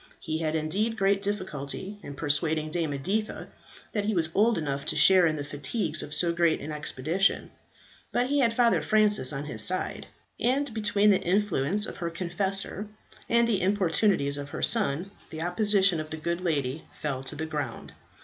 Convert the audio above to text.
He had indeed great difficulty in persuading Dame Editha that he was old enough to share in the fatigues of so great an expedition, but he had Father Francis on his side; and between the influence of her confessor, and the importunities of her son, the opposition of the good lady fell to the ground.